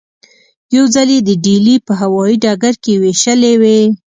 یو ځل یې د ډیلي په هوايي ډګر کې وېشلې وې.